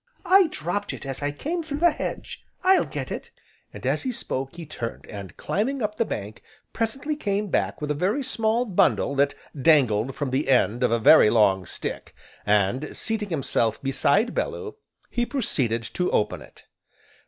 "I dropped it as I came through the hedge, I'll get it," and as he spoke, he turned, and, climbing up the bank, presently came back with a very small bundle that dangled from the end of a very long stick, and seating himself beside Bellew, he proceeded to open it.